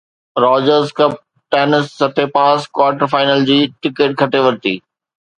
Rogers Cup tennis Tsitsipas quarter final جي ticket کٽي ورتي